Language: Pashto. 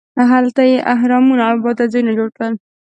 هلته یې اهرامونو او عبادت ځایونه جوړ کړل.